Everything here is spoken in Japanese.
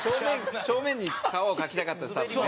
正面に川を描きたかった多分ね。